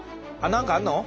何かあんの？